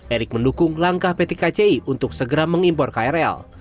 erick mendukung langkah pt kci untuk segera mengimpor krl